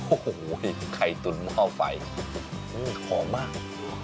โอ้โหไข่ตุ๋นหม้อไฟมันหอมมาก